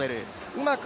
うまく